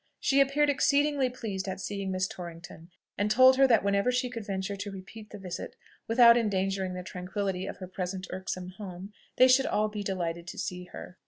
She appeared exceedingly pleased at seeing Miss Torrington, and told her that whenever she could venture to repeat the visit without endangering the tranquillity of her present irksome home, they should all be delighted to see her.